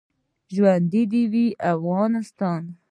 ژوندی دې وي افغانستان.